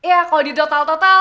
ya kalau di total total